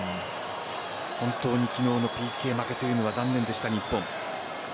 本当に昨日のＰＫ負けというのは残念でした、日本。